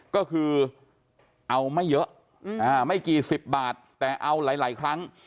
ก็คือเอาไม่เยอะไม่กี่สิบบาทแต่เอาหลายครั้ง